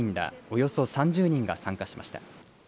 およそ３０人が参加しました。